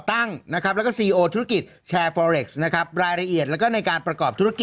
อึกอึกอึกอึกอึกอึกอึกอึกอึกอึกอึก